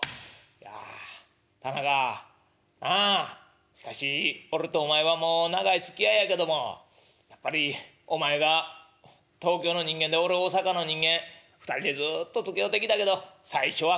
「いや田中なあしかし俺とお前はもう長いつきあいやけどもやっぱりお前が東京の人間で俺大阪の人間２人でずっとつきおうてきたけど最初は勘違いあったよな」。